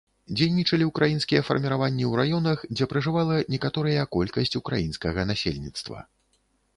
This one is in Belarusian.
Дзейнічалі ўкраінскія фарміраванні ў раёнах, дзе пражывала некаторыя колькасць украінскага насельніцтва.